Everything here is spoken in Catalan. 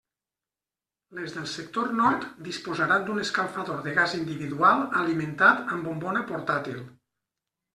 Les del sector nord disposaran d'un escalfador de gas individual alimentat amb bombona portàtil.